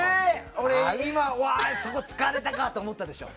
今、そこを突かれたかと思ったでしょ。